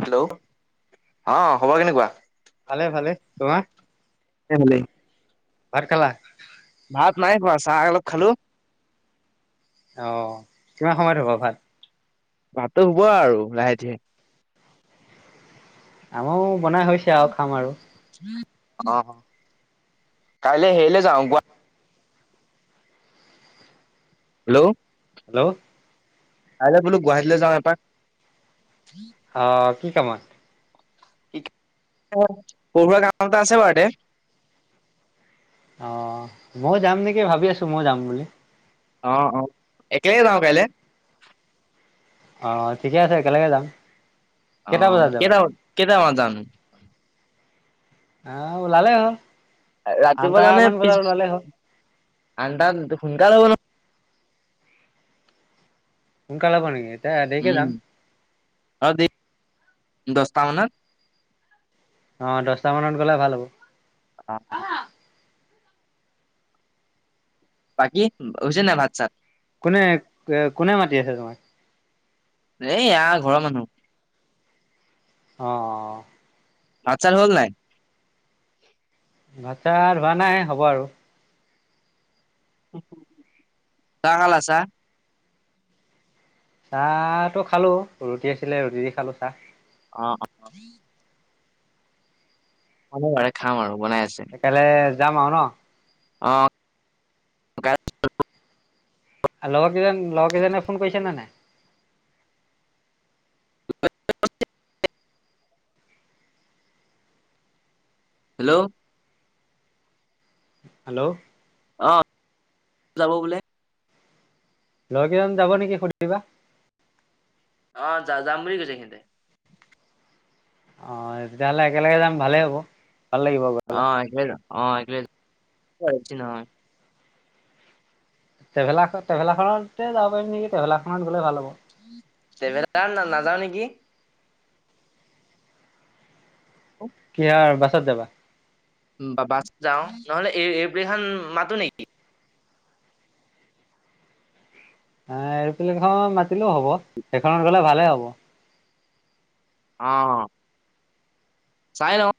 Hello অ, খবৰ কেনেকুৱা। ভালে ভালে বাৰু কোৱা। তোমাৰ এ ভালে। ভাত খালা। ভাত নাই খোৱা। চাহ এ অলপ খালু। অ', কিমান সময়ত হ'ব ভাত? ভাতটো হ'ব আৰু লাহে ধিৰে। আম‌ও বনাই হৈছে আও খাম আৰু। অ। কাইলে হেৰিলে যাওঁ, গুৱা হেল্ল, হেল্ল, কাইলৈ বোলো গুৱাহাটীলৈ যাওঁ এপাক। হ। কি কামত? কি অ, পৰোৱা কাম এটা আছে বাৰু দে। অ', মই যাম নেকি ভাবি আছো মই যাম বুলি। অ, অ। একেলগে যাওঁ কাইলে। অ, ঠিকে আছে একেলগে যাম। অ', কেইটা বজাত যাবা কেইটা -ব-কে নাজানো। অ', ওলালে ৰাতিপুৱা জানে পি, হ'ল আঠতা সোনকাল হব ন সোনকালে হ'ব নেকি? এতিয়া দেৰিকে উম, যাম অ', দে দহটা মানত। অ দহটা মানত গ'লে ভাল হ'ব। অ'। বাকী হৈছে নে নাই ভাত চাত? কোনে কোনে মাতি আছে তোমাক? এয়া ঘৰৰ মানুহ। অ-অ। ভাত চাত হ'ল নাই? ভাত চাত হোৱা নাই হ'ব আৰু। চাহ খালা চাহ। চাহটো খালো, ৰুটি আছিলে ৰুটি দি খালো চাহ। অ', অ'। হ'ব বাৰে খাম আৰু। বনাই সেইকাৰে যাম আৰু ন? অঁ আৰু লগৰ কেইজন, লগৰ কেইজনে ফোন কৰিছে নে নাই? [inaudible] হেল্ল'। হেল্ল', অ', যাব বোলে। লগকেইজন যাব নেকি সুধিবা? অ', যা-যাম বুলি কৈছে সিহঁতে। অ', তেতিয়াহলে একেলগে যাম ভালেই হ'ব। ভাল লাগিব গৈ অ' [unintelligible] [inaudible] ট্ৰেভেলাৰ খন, ট্ৰেভেলাৰখনতে যাব পাৰিম নেকি? ট্ৰেভেলাৰ খনত গ'লে ভাল হ'ব। ট্ৰেভেলাৰত না-নাযাওঁ নেকি? কি [unintelligible] বাছত যাবা? বা বাছ যোওঁ, নহলে এইব খান মাতো নেকি? এ, এৰপ্লেনখন মাতিলেও হ'ব। সেইখনত গ'লে ভালে হ'ব। অ'। চাই লওঁ।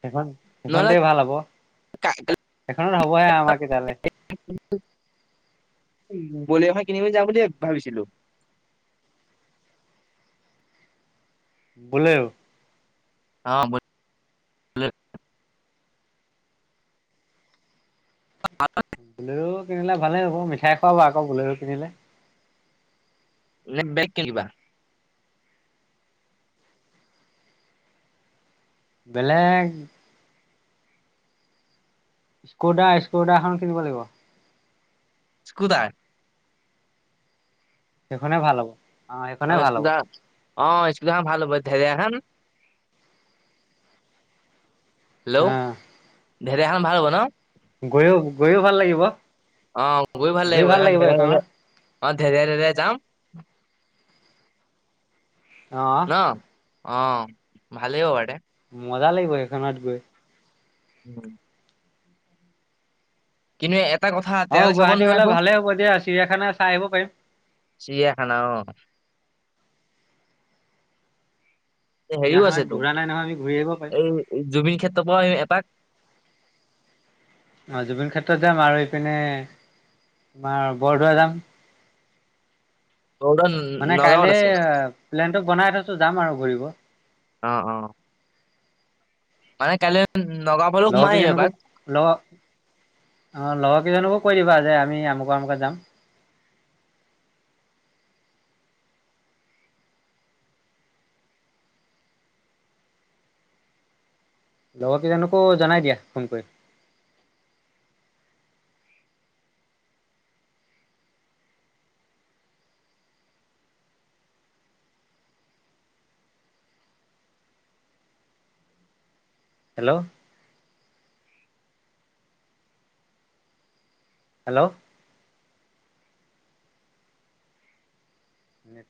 সেইখন নহ'লে সেইখনতে ভাল হ'ব। এখনত হবহে আমাৰ কেইটাৰলে।। বলিৰ' এখন কিনিবলৈ যাওঁ বুলি, ভাবিছিলোঁ। বলেৰ'? [inaudible] বলেৰ'। কিনিলে ভালেই হ'ব। মিঠাই খোৱাবা আকৌ বলেৰ' কিনিলে। নে বেগ কিনিবা? বেলেগ স্ক'ডা, স্ক'ডা এখন কিনিব লাগিব। ইস্কুটাৰ? সেইখনে ভাল হ'ব। অ' সেই খনে ভাল হ'ব। স্কুটাৰ অ স্কুটাৰখন ভাল হ'ব [unintelligible] হা। [unintelligible] এখন ভাল হ'ব ন? গৈয়ো, গৈয়ো ভাল লাগিব? অ' বহি ভাল লাগিব, সেইখন [unintelligible] অ', [unintelligible] যাম। অ'। ন? অ', ভালেই হ'ব দে। মজা লাগিব এইখনত গৈ। উম। কিন্তু এ অ', গুৱাহাটী গ'লে ভালে হ'ব দিয়া চিৰিয়াখানা চাই আহিব পাৰিম। চিৰিয়াখানা অ এই হেৰিও চিৰিয়াখানাত আছেতো, ঘূৰা নাই নহয় আমি ঘূৰি আহিব পাৰিম এই জুবিন ক্ষেত্ৰৰ পৰাও এপাক অ', জুবিন ক্ষেত্ৰত যাম আৰু ইপিনে, তোমাৰ বৰদোৱা যাম। ৰ'দত মানে কাইলে, নগাঁৱত আছে প্লেনটো বনাই থৈছো যাম আৰু ঘূৰি হ'ব। অ', অ'। মানে কাইলৈ নগাঁও ফালেও লগৰ সোমাই আহিম কেইজনকো এপাক। লগৰ অ', লগৰকেইজনকো কৈ দিবা যে আমি আমুকে আমুকে যাম। লগৰ কেইজনকো জনাই দিয়া ফোন কৰি। হেল্ল'! হেল্ল'! নেট